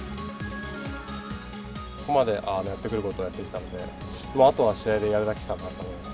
ここまでやってくることはやってきたので、あとは試合でやるだけかなと思います。